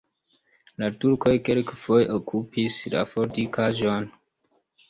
La turkoj kelkfoje okupis la fortikaĵon.